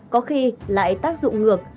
có khi lại tác dụng ngược